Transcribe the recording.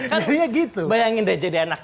jadi gitu bayangin deh jadi anak